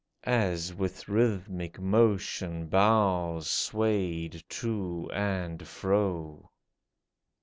As with rhythmic motion boughs swayed to and fro